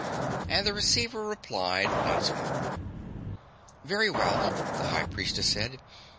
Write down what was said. And the receiver replied once more. "Very well," the High Priestess said.